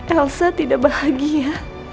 elsa tidak bahagia